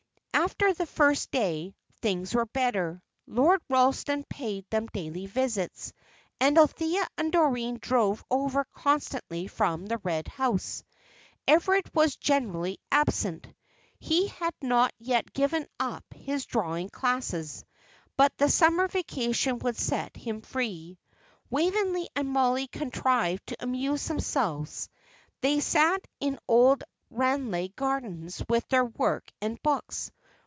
After the first day, things were better. Lord Ralston paid them daily visits, and Althea and Doreen drove over constantly from the Red House. Everard was generally absent. He had not yet given up his drawing classes. But the summer vacation would set him free. Waveney and Mollie contrived to amuse themselves; they sat in old Ranelagh Gardens with their work and books.